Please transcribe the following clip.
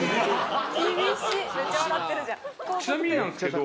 ちなみになんですけど。